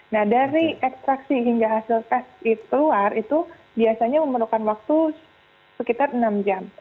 nah dari ekstraksi hingga hasil tes keluar itu biasanya memerlukan waktu sekitar enam jam